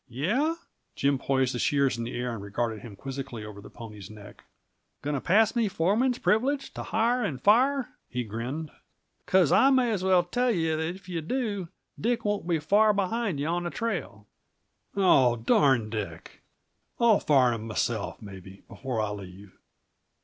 "Yeah?" Jim poised the shears in air and regarded him quizzically over the pony's neck. "Going to pass me foreman's privilege to hire and fire?" he grinned. "Because I may as well tell you that if you do, Dick won't be far behind you on the trail." "Oh, darn Dick. I'll fire him myself, maybe, before I leave.